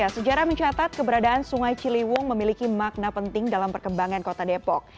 sejarah mencatat keberadaan sungai ciliwung memiliki makna penting dalam perkembangan kota depok